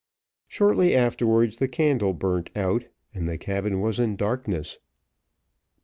Shortly afterwards the candle burnt out, and the cabin was in darkness.